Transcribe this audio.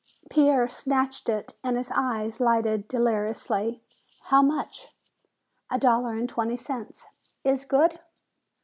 Pierre snatched it and his eyes lighted deliriously. "How much?" "A dollar and twenty cents." "Is good!"